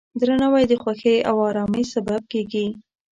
درناوی د خوښۍ او ارامۍ سبب کېږي.